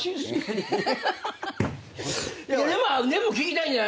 でも聞きたいんじゃないですか？